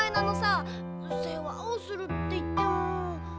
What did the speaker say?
せわをするっていっても。